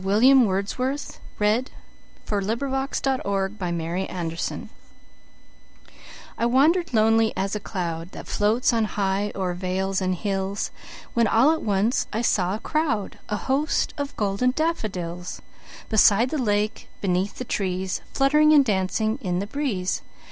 1875. William Wordsworth CCLIII. The Daffodils I WANDER'D lonely as a cloudThat floats on high o'er vales and hills, When all at once I saw a crowd,A host of golden daffodils, Beside the lake, beneath the trees, Fluttering and dancing in the breeze.